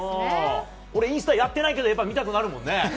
インスタ、俺やってないけど見たくなるもんね。